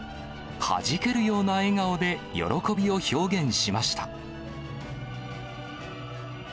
はじけるような笑顔で喜びを表現しました。